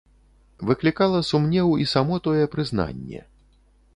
Выклікала сумнеў і само тое прызнанне.